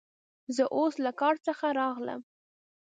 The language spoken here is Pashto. زه اوس له کار څخه راغلم.